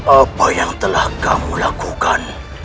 apa yang telah kamu lakukan